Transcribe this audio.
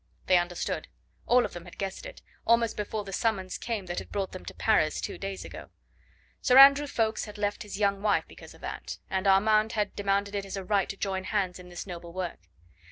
They understood. All of them had guessed it, almost before the summons came that had brought them to Paris two days ago. Sir Andrew Ffoulkes had left his young wife because of that, and Armand had demanded it as a right to join hands in this noble work.